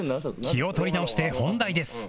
気を取り直して本題です